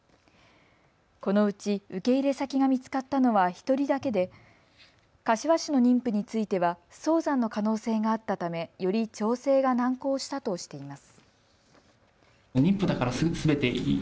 このうち受け入れ先が見つかったのは１人だけで柏市の妊婦については早産の可能性があったためより調整が難航したとしています。